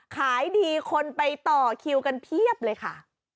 ขายดีคนไปต่อคิวกันเพียบเลยค่ะ